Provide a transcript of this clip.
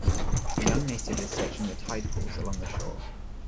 A young native is searching the tide pools along the shore.